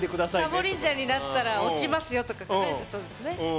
サボリンジャーになったら落ちますよとか書かれてそうですね。